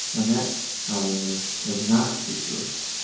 Annette, however, was not speechless.